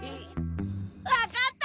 分かった！